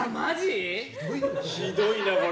ひどいな、これ。